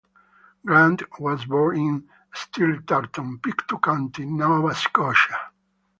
Grant was born in Stellarton, Pictou County, Nova Scotia.